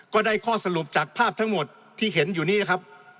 ก็ได้ข้อสรุปจากภาพทั้งหมดที่เห็นอยู่นี้นะครับ